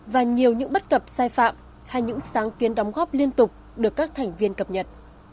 và nhiều những bất cập sai phạm hay những sáng kiến đóng góp liên tục được các thành viên cập nhật